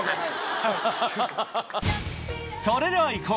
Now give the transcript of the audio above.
それでは行こう！